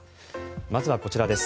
まずはこちらです。